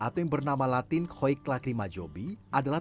terima kasih terima kasih